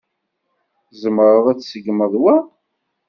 Tzemreḍ ad tseggmeḍ wa?